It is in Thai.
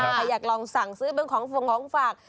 ใครอยากลองสั่งซื้อเป็นของฟงของฝาก